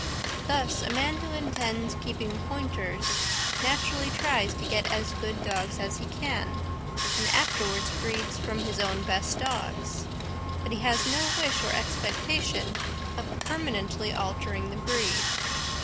Thus, a man who intends keeping pointers naturally tries to get as good dogs as he can, and afterwards breeds from his own best dogs, but he has no wish or expectation of permanently altering the breed.